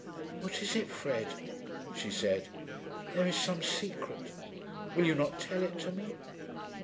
"What is it, Fred?" she said. "There is some secret. Will you not tell it to me?"